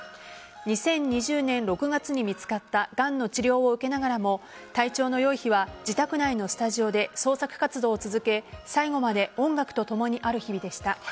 ２０２０年６月に見つかったがんの治療を受けながらも体調の良い日は自宅内のスタジオで創作活動を続け最後まで音楽とともにある日々でした。